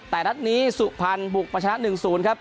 แต่นัดนี้สุพรรณบุกมาชนะ๑๐ครับ